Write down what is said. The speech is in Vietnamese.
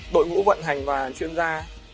đội ngũ vận hành và chuyên gia